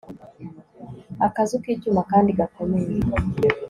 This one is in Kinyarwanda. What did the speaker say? akazu k'icyuma kandi gakomeye